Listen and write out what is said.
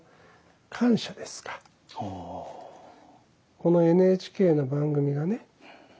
このＮＨＫの番組がね